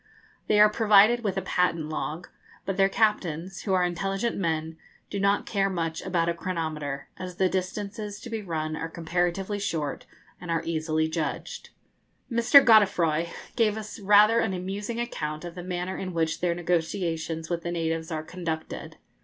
They are provided with a patent log, but their captains, who are intelligent men, do not care much about a chronometer, as the distances to be run are comparatively short and are easily judged. Mr. Godeffroy gave us rather an amusing account of the manner in which their negotiations with the natives are conducted.